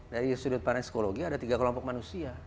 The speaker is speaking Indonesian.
dari sudut pandang psikologi ada tiga kelompok manusia